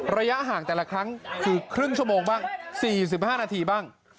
ระยะห่างแต่ละครั้งคือครึ่งชั่วโมงบ้าง๔๕นาทีบ้าง